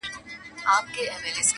بخته راته یو ښکلی صنم راکه.